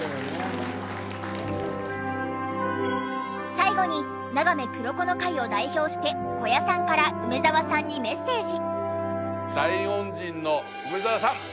最後にながめ黒子の会を代表して小屋さんから梅沢さんにメッセージ。